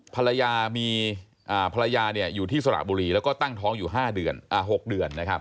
ภรรยาอยู่ที่สระบุรีและตั้งท้องอยู่๖เดือน